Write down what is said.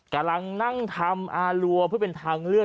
กำลังนั่งทำอารัวเพื่อเป็นทางเลือก